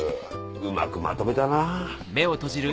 うまくまとめたなぁ。